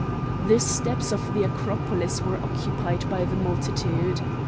The steps of the Acropolis were occupied by the multitude.